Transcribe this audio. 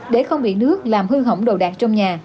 để không bị nước làm hư hỏng đồ đạc trong nhà